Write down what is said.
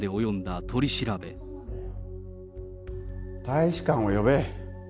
大使館を呼べ。